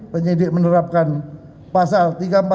penyidik menerapkan pasal tiga ratus empat puluh